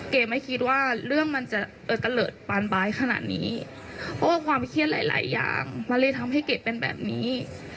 ไม่คิดว่าเรื่องมันจะเออตะเลิศปานบายขนาดนี้เพราะว่าความเครียดหลายอย่างมันเลยทำให้เกดเป็นแบบนี้